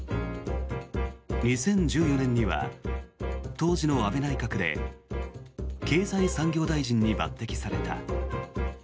２０１４年には当時の安倍内閣で経済産業大臣に抜てきされた。